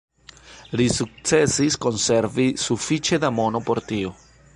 Ri sukcesis konservi sufiĉe da mono por tio.